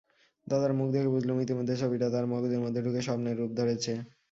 দাদার মুখ দেখে বুঝলুম, ইতিমধ্যে ছবিটা তাঁর মগজের মধ্যে ঢুকে স্বপ্নের রূপ ধরেছে।